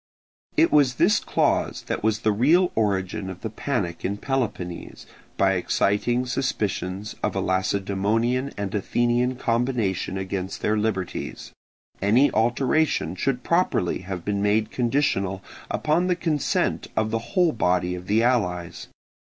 It was this clause that was the real origin of the panic in Peloponnese, by exciting suspicions of a Lacedaemonian and Athenian combination against their liberties: any alteration should properly have been made conditional upon the consent of the whole body of the allies.